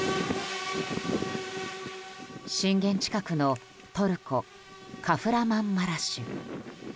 震源近くのトルコ・カフラマンマラシュ。